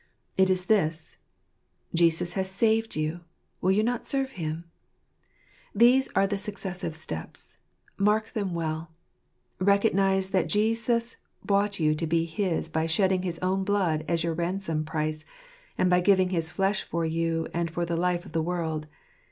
It is this : Jesus has saved you — will you not serve Him ? These are the successive steps : mark them well ! Recognize that Jesus bought you to be his by shedding his own blood as your ransom price, and by giving his flesh for you and for the life of the world.